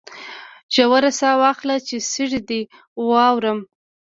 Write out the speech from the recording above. ژوره ساه واخله چې سږي دي واورم